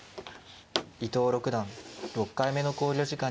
伊藤六段６回目の考慮時間に入りました。